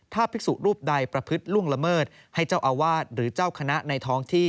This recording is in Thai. ถ้าภิกษุรูปใดประพฤติล่วงละเมิดให้เจ้าอาวาสหรือเจ้าคณะในท้องที่